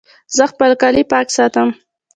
زه خپل کالي پاک ساتم.